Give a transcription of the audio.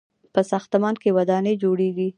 په ساختمان کې ودانۍ جوړیږي.